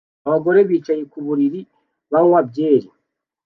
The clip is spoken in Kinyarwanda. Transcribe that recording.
Abagore bicaye ku buriri banywa byeri